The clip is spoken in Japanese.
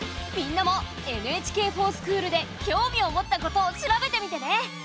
みんなも「ＮＨＫｆｏｒＳｃｈｏｏｌ」で興味を持ったことを調べてみてね。